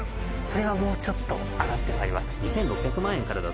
それはもうちょっと上がってまいります